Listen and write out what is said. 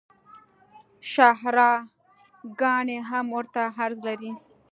شاهراه ګانې هم ورته عرض لري